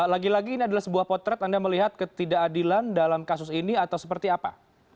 lagi lagi ini adalah sebuah potret anda melihat ketidakadilan dalam kasus ini atau seperti apa